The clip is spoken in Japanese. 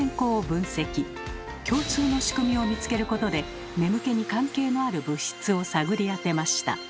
共通のしくみを見つけることで眠気に関係のある物質を探り当てました。